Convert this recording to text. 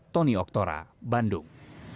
tony oktora bandung